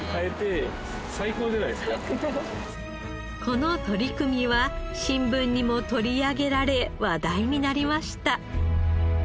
この取り組みは新聞にも取り上げられ話題になりました。